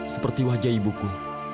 seperti wajah ibuku